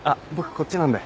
こっちなんで。